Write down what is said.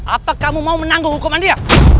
apa kamu mau menanggung hukuman dia